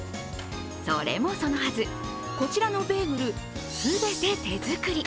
それもそのはず、こちらのベーグル全て手作り。